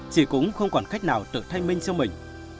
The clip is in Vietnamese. chị cũng không còn cách nào tự thanh minh cho mình